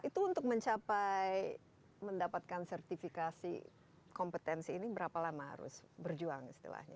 itu untuk mencapai mendapatkan sertifikasi kompetensi ini berapa lama harus berjuang istilahnya